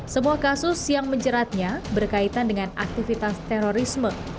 semua kasus yang menjeratnya berkaitan dengan aktivitas terorisme